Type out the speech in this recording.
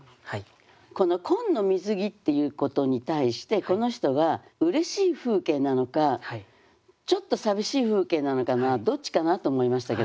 この「紺の水着」っていうことに対してこの人はうれしい風景なのかちょっと寂しい風景なのかなどっちかなと思いましたけど。